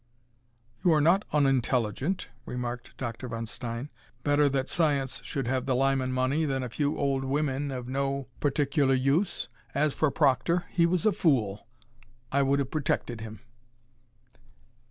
"You are not unintelligent," remarked Dr. von Stein. "Better that science should have the Lyman money than a few old women of no particular use. As for Proctor, he was a fool. I would have protected him."